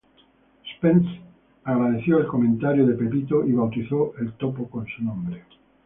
Spence agradeció el comentario de Goering y bautizó el topo con su nombre.